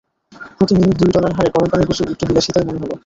প্রতি মিনিট দুই ডলার হারে গরম পানির গোসল একটু বিলাসিতাই মনে হলো।